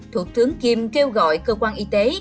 thủ tướng kim kêu gọi cơ quan y tế